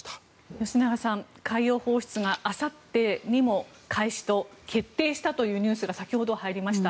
吉永さん、海洋放出があさってにも開始と決定したというニュースが先ほど入りました。